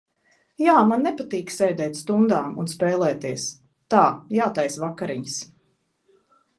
Jā, man nepatīk sēdēt stundām un spēlēties. Tā, jātaisa vakariņas.